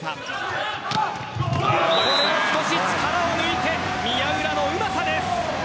少し力を抜いて宮浦のうまさです。